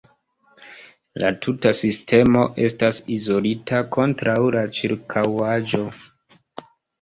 La tuta sistemo estas izolita kontraŭ la ĉirkaŭaĵo.